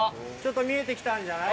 見えて来たんじゃない？